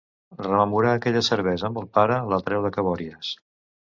Rememorar aquella cervesa amb el pare la treu de cabòries.